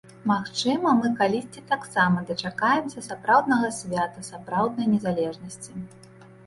Магчыма, мы калісьці таксама дачакаемся сапраўднага свята сапраўднай незалежнасці.